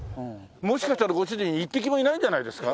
もしかしたらご主人一匹もいないんじゃないですか？